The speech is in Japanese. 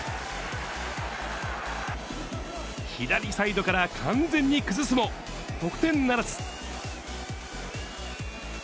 左サイドから完全に崩すも、得点ならず。